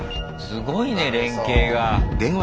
すごいね連携が。